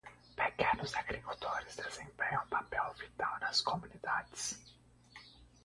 Pequenos agricultores desempenham um papel vital nas comunidades.